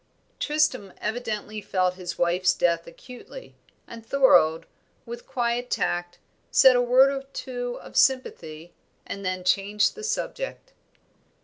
Tristram evidently felt his wife's death acutely, and Thorold, with quiet tact, said a word or two of sympathy and then changed the subject.